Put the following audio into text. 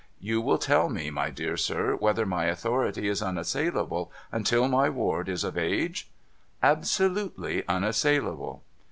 You will tell me, my dear sir, whether my authority is unassailable, until my ward is of age ?'' Absolutely unassailable.'